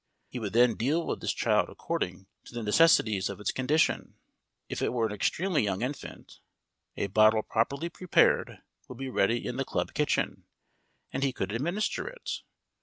He would then deal with this child according to the necessities of its condition. If it were an extremely young infant, a bottle properly prepared would be ready in the club kitchen, and he could administer it.